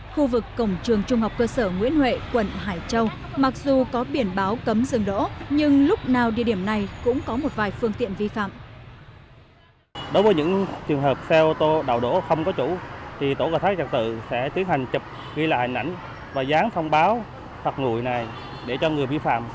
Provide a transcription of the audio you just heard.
khu vực cổng trường trung học cơ sở nguyễn huệ quận hải châu mặc dù có biển báo cấm dừng đỗ nhưng lúc nào địa điểm này cũng có một vài phương tiện vi phạm